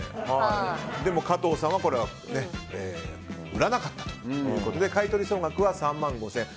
でも加藤さんはこれは売らなかったということで買い取り総額は３万５０００円。